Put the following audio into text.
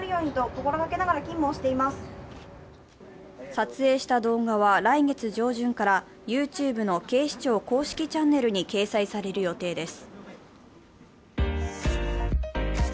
撮影した動画は、来月上旬からＹｏｕＴｕｂｅの警視庁公式チャンネルに掲載される予定です。